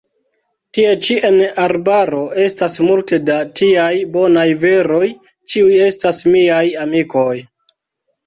Tie ĉi en arbaro estas multe da tiaj bonaj viroj, ĉiuj estas miaj amikoj!